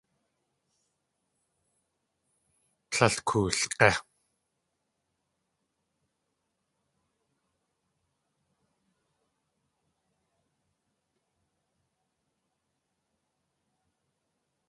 Tlél koolg̲é.